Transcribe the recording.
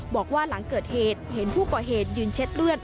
บอกว่าหลังเกิดเหตุเห็นผู้ก่อเหตุยืนเช็ดเลือด